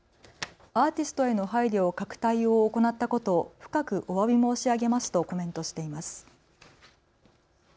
アーティストへの配慮を欠く対応を行ったことを深くおわび申し上げますとコメントしています。